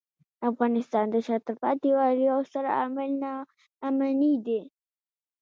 د افغانستان د شاته پاتې والي یو ستر عامل ناامني دی.